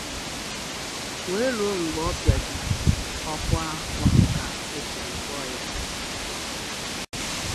wee ruo mgbe ọ pịajuru ọkụ afọ ka o siri gụọ ya